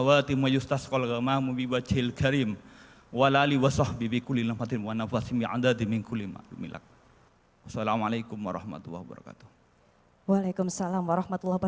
assalamualaikum warahmatullahi wabarakatuh